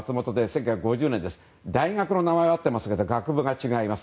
１９５０年で大学の名前は合っていますが学部が違います。